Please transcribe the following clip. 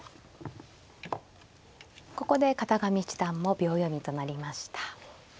ここで片上七段も秒読みとなりました。